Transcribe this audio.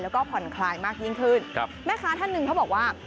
แล้วก็ผ่อนคลายมากยิ่งขึ้นครับแม่ค้าท่านหนึ่งเขาบอกว่า